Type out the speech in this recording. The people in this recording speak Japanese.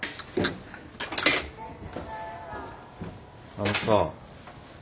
あのさ。